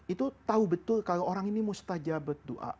itu tahu betul kalau orang ini mustah jabat doa